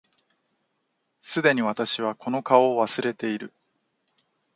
既に私はこの顔を忘れている